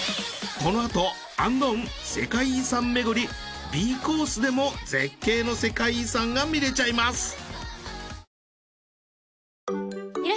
このあとアンドン世界遺産巡りＢコースでも絶景の世界遺産が見れちゃいます。